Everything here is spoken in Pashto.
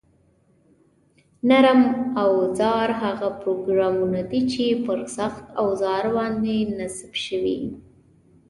نرم اوزار هغه پروګرامونه دي چې پر سخت اوزار باندې نصب شوي